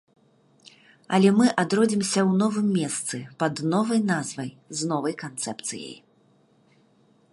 Але мы адродзімся ў новым месцы, пад новай назвай, з новай канцэпцыяй.